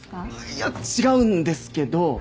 いや違うんですけど！